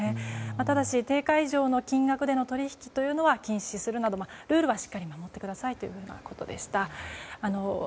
ただし定価以上の金額での取引は禁止するなどルールはしっかり守ってくださいということでした。